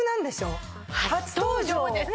初登場です！